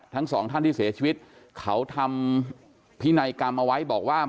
ทั้งสองท่านที่เสียชีวิตเขาทำพินัยกรรมเอาไว้บอกว่า